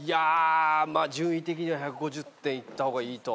順位的には１５０点いった方がいいとは思います。